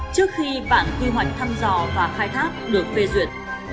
trước khi bản quy hoạch thăm dò và khai thác được phê duyệt